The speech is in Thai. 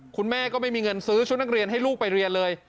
คุณแม่ก็ไม่มีเงินซื้อชุดนักเรียนให้ลูกไปเรียนเลย